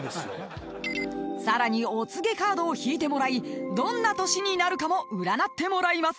［さらにお告げカードを引いてもらいどんな年になるかも占ってもらいます］